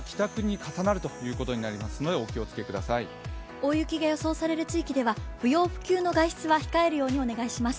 大雪が予想される地域では不要不急の外出を控えるようにお願いします。